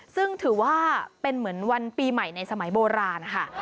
ซึ่งถือว่าเป็นเหมือนวันปีใหม่ในสมัยโบราณค่ะ